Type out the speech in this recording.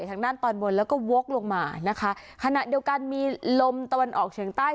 ทางด้านตอนบนแล้วก็วกลงมานะคะขณะเดียวกันมีลมตะวันออกเฉียงใต้